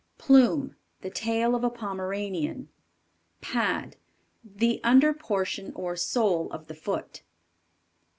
Plume. The tail of a Pomeranian. Pad. The under portion or sole of the foot.